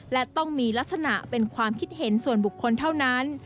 และต้องมีลักษณะเป็นความคิดเห็นส่วนบุคคลเท่านั้น